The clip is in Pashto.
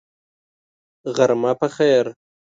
غرمه په خیر !